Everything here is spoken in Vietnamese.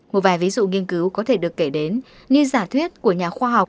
một vài ví dụ nghiên cứu có thể được kể đến như giả thuyết của nhà khoa học